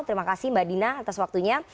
terima kasih mbak dina atas waktunya